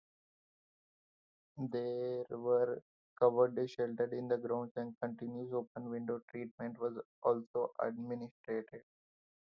There were covered sheltered in the grounds and continuous open-window treatment was also administered.